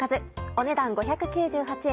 お値段５９８円。